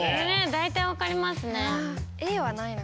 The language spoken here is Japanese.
大体分かりますね。